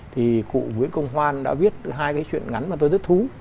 thì cụ nguyễn công hoan đã viết hai cái chuyện ngắn mà tôi rất thú